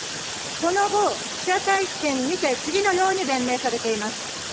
その後、記者会見にて、次のように弁明されています。